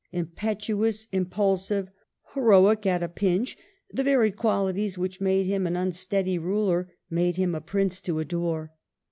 Impetuous, impulsive, heroic at a pinch, the very qualities which made him an unsteady ruler made him a prince to adore.